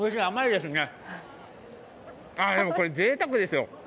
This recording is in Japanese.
でも、これ、ぜいたくですよ。